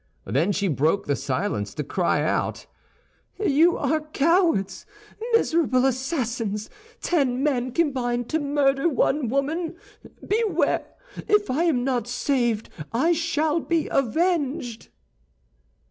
Then she broke the silence to cry out, "You are cowards, miserable assassins—ten men combined to murder one woman. Beware! If I am not saved I shall be avenged."